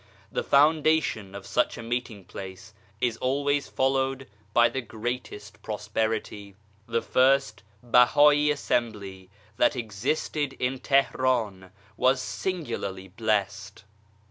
The foundation of such a meeting place is always followed by the greatest prosperity. The first Bahai Assembly that existed in Teheran was singularly blessed